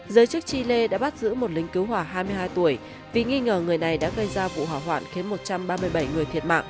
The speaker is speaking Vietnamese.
giới chức chile đã bắt giữ một lính cứu hỏa hai mươi hai tuổi vì nghi ngờ người này đã gây ra vụ hỏa hoạn khiến một trăm ba mươi bảy người thiệt mạng